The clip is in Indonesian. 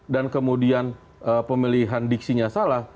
dan kemudian pemilihan diksinya salah